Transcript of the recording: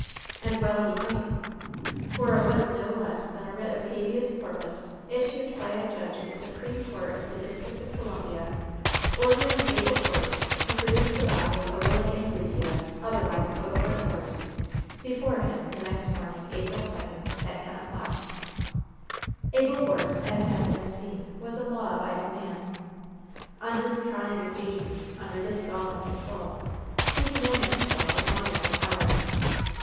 And well he might ! For it was no less than a writ of habeas corpus, issued by a judge of the Supreme Court of the District of Co lumbia, ordering Abel Force to produce the body of Oda lite Anglesea, otherwise Odalite Force, before him the next morning, April 2, at 10 o'clock. Abel Force, as has been seen, was a law abiding man. On this trying occasion, under this galling insult, he commanded himself with wonderful power.